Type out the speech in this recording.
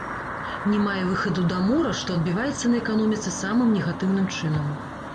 Не мае выхаду да мора, што адбіваецца на эканоміцы самым негатыўным чынам.